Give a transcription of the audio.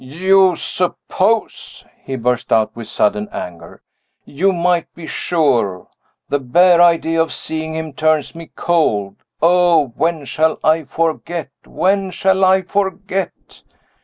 "You suppose?" he burst out, with sudden anger. "You might be sure. The bare idea of seeing him turns me cold. Oh, when shall I forget! when shall I forget!